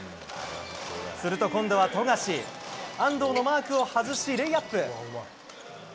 すると今度は富樫安藤のマークを外しレイアップ。